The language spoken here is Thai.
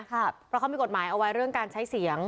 เพราะเขามีกฎหมายเอาไว้เรื่องการใช้เสียง